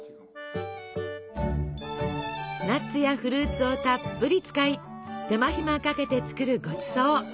ナッツやフルーツをたっぷり使い手間暇かけて作るごちそう！